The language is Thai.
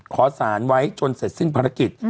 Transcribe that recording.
ขอสารไว้จนเสร็จสิ้นภารกิจ